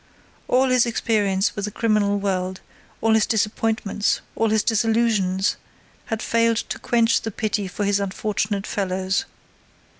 All his experience with the criminal world, all his disappointments, all his disillusions had failed to quench the pity for his unfortunate fellows.